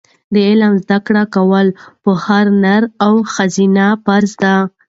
د علم زده کول په هر نارینه او ښځینه فرض دي.